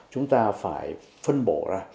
chúng ta phải phân bổ ra